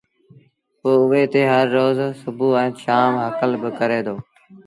پو اُئي تي هر روز سڀو ائيٚݩ شآم هڪل با ڪري دو